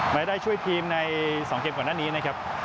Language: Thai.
ไม่ได้ช่วยทีมใน๒เกมก่อนหน้านี้นะครับ